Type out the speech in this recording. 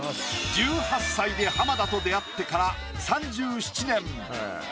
１８歳で浜田と出会ってから。